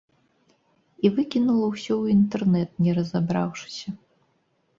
І выкінула ўсё ў інтэрнэт не разабраўшыся.